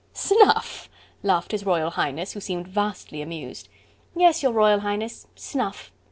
"Snuff?" laughed His Royal Highness, who seemed vastly amused. "Yes, your Royal Highness... snuff...